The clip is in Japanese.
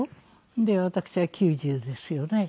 で私は９０ですよね。